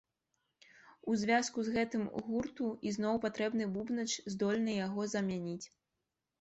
У звязку з гэтым гурту ізноў патрэбны бубнач, здольны яго замяніць.